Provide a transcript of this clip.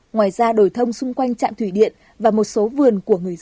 ngoài ra đổi thông xung quanh trạm thủy điện và một số vườn của người dân